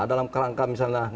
dalam kerangka misalnya